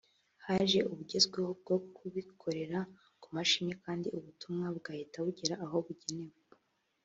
haje ubugezweho bwo kubikorera ku mashini kandi ubutumwa bugahita bugera aho bugenewe